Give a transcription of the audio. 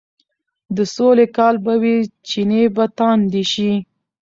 د سولې کال به وي، چينې به تاندې شي،